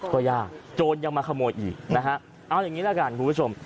ก็ยากโจรยังมาขโมยอีกนะฮะเอาอย่างนี้ละกันคุณผู้ชม